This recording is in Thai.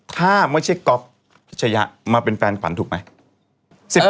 ถ้าไม่ใช่ก๊อฟพิชยะมาเป็นแฟนขวัญถูกไหม